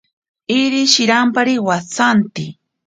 Iri shirampari watsanti.